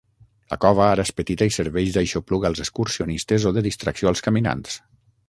La cova ara és petita i serveix d'aixopluc als excursionistes o de distracció als caminants.